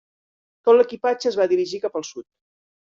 Tot l'equipatge es va dirigir cap al sud.